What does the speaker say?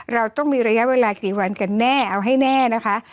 เราต้องมีระยะเวลากี่วันกันแน่เอาให้แน่นะคะ